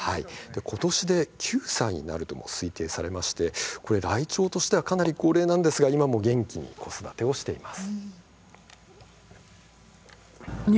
今年で９歳になるとも推定されて、ライチョウとしてはかなり高齢なんですけれど今も、元気に子育てしています。